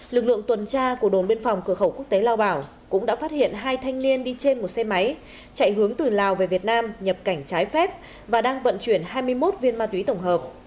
lực lượng tuần tra của đồn biên phòng cửa khẩu quốc tế lao bảo cũng đã phát hiện hai thanh niên đi trên một xe máy chạy hướng từ lào về việt nam nhập cảnh trái phép và đang vận chuyển hai mươi một viên ma túy tổng hợp